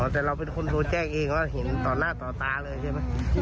แต่เราเป็นคนโทรแจ้งเองว่าเห็นต่อหน้าต่อตาเลยใช่ไหม